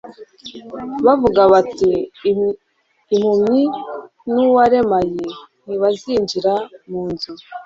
bavuga bati impumyi n uwaremaye ntibazinjira mu nzu